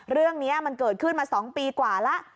เรื่องนี้มันเกิดขึ้นมา๒ปีกว่าแล้ว